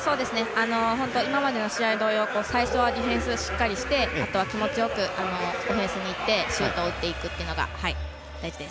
今までの試合同様最初はディフェンスしっかりしてあとは気持ちよくオフェンスにいってシュートを打っていくのが大事です。